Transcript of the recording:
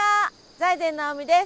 財前直見です。